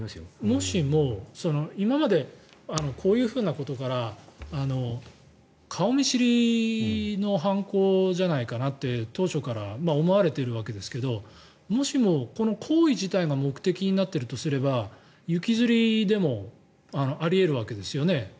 もしも今までこういうことから顔見知りの犯行じゃないかなって当初から思われているわけですけどもしもこの行為自体が目的になってるとすれば行きずりでもあり得るわけですよね。